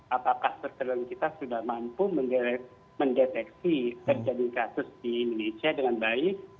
apakah dokter dan kita sudah mampu mendeteksi terjadi kasus di indonesia dengan baik